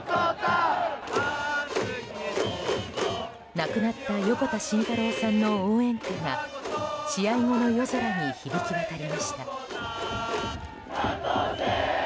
亡くなった横田慎太郎さんの応援歌が試合後の夜空に響き渡りました。